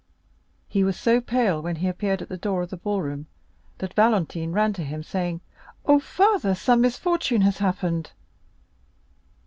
He was so pale when he appeared at the door of the ball room, that Valentine ran to him, saying: "Oh, father, some misfortune has happened!"